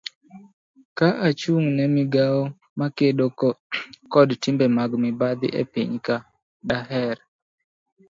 ka achung' ne migawo makedo kod timbe mag mibadhi e piny ka, daher